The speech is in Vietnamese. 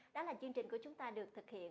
đó là chương trình của chúng ta được thực hiện